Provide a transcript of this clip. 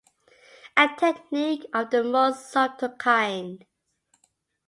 A technique of the most subtle kind.